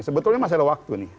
sebetulnya masih ada waktu nih